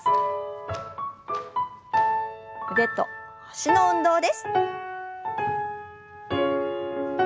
腕と脚の運動です。